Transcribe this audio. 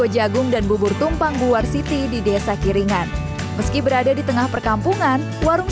jagung dan bubur tumpang buwar city di desa kiringan meski berada di tengah perkampungan warung